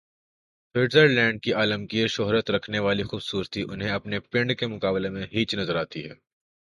Switzer land کی عالمگیر شہرت رکھنے والی خوب صورتی انہیں اپنے "پنڈ" کے مقابلے میں ہیچ نظر آتی ہے۔